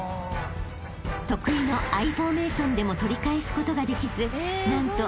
［得意のＩフォーメーションでも取り返すことができず何と］